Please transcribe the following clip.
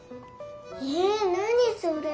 え何それ？